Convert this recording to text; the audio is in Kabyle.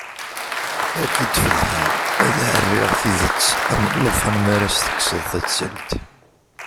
Ad k-id-feḍḥeɣ, ad ɛerriɣ i tidet am llufan mi ara s-tekkseḍ tattalt.